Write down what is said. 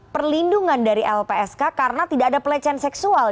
perlindungan dari lpsk karena tidak ada pelecehan seksual